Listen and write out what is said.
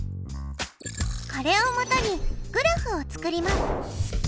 これをもとにグラフを作ります。